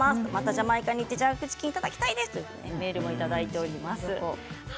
またジャマイカに行ってジャークチキンをいただきたいですというメールをいただきました。